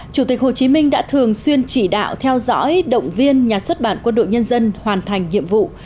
chủ tịch hồ chí minh đã thường xuyên chỉ đạo theo dõi động viên nhà xuất bản quân đội nhân dân hoàn thành nhiệm vụ